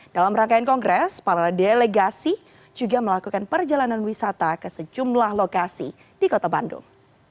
dalam rangkaian kongres para delegasi juga melakukan perjalanan wisata ke sejumlah lokasi di kota bandung